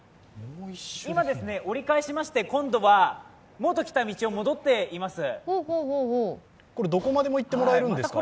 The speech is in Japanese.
今、折り返しまして、今度はもと来た道を戻っています。